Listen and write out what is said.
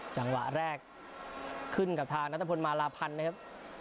จังหวะแรกขึ้นกับทางนัทพลมาลาพันธ์นะครับ